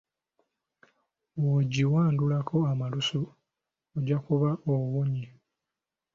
W'ogyiwandulako amalusu, ojja kuba owonye.